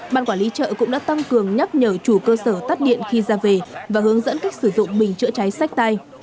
ban quản lý chợ cũng đã tăng cường nhắc nhở chủ cơ sở tắt điện khi ra về và hướng dẫn cách sử dụng bình chữa cháy sách tay